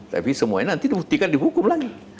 tapi semuanya nanti dibuktikan dihukum lagi